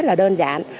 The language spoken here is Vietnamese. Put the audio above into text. nó rất là đơn giản